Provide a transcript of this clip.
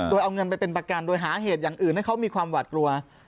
โดยเอาเงินไปเป็นประกันโดยหาเหตุอย่างอื่นให้เขามีความหวัดกลัว